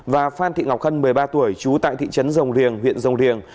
và phan thị ngọc khân một mươi ba tuổi chú tại thị trấn rồng liềng huyện rồng liềng